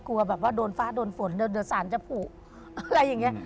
กลัวแบบว่าโดนฟ้าโดนฝนเดี๋ยวสารจะผูกอะไรอย่างนี้